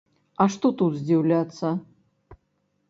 А што тут здзіўляцца?